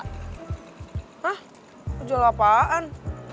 hah gejala apaan